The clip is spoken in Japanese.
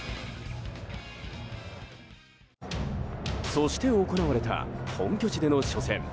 そして行われた本拠地での初戦。